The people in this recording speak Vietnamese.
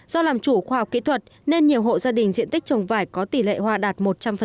do làm chủ khoa học kỹ thuật nên nhiều hộ gia đình diện tích trồng vải có tỷ lệ hoa đạt một trăm linh